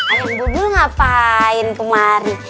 ayam bulbul ngapain kemarin